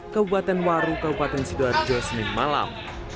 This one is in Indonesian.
kabupaten waru kabupaten sidoarjo senin malam